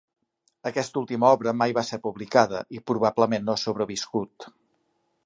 Aquesta última obra mai va ser publicada, i probablement no ha sobreviscut.